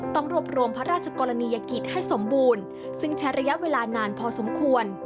ต้องรวบรวมพระราชกรณียกิจให้สมบูรณ์ซึ่งใช้ระยะเวลานานพอสมควร